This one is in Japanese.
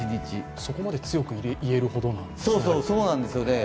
そこまで強く言えるほどなんですね。